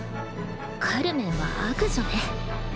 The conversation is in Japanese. カルメンは悪女ね。